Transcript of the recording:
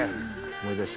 思い出した。